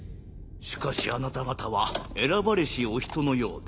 しかしあなた方は選ばれしお人のようです。